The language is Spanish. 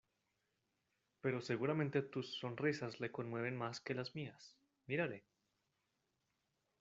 pero seguramente tus sonrisas le conmueven más que las mías... ¡ mírale!